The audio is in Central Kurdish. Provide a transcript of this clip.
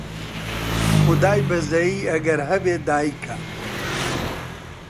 خودای بەزەیی ئەگەر هەبێ دایکە